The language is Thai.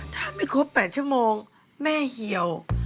ถ้าไม่ครบ๘ชั่วโมงแม่เหี่ยว